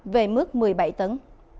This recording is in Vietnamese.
về mức một mươi bảy tấn